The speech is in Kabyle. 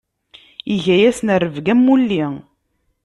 Iga-asen rebg am wulli.